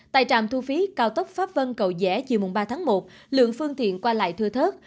tại trạm thu phí cao tốc pháp vân cầu dẻ chiều ba tháng một lượng phương tiện qua lại thưa thớt